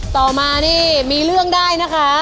ต่อมานี่มีเรื่องได้นะคะ